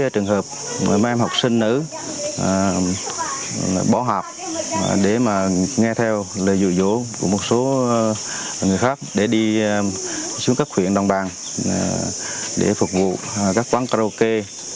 cũng xảy ra một số trường hợp mà em học sinh nữ bỏ học để mà nghe theo lời rụ rỗ của một số người khác để đi xuống các khuyện đồng bàn để phục vụ các quán karaoke